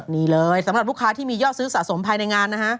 นี่เลยสำหรับลูกค้าที่มียอดซื้อสะสมภายในงานนะฮะ